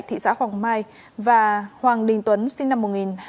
thị xã hoàng mai và hoàng đình tuấn